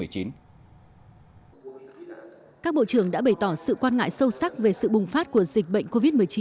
các bộ trưởng đã bày tỏ sự quan ngại sâu sắc về sự bùng phát của dịch bệnh covid một mươi chín